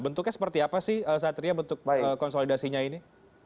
bentuknya seperti apa sih satria bentuk konsolidasinya ini